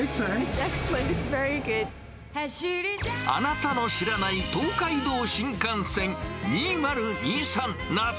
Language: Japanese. アナタの知らない東海道新幹線２０２３夏。